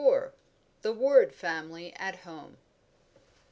THE WARD FAMILY AT HOME.